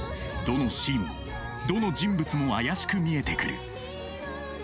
どのシーンもどの人物も怪しく見えてくる。